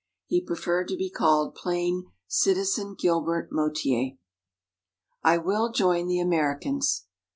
He preferred to be called plain "Citizen Gilbert Motier." I WILL JOIN THE AMERICANS!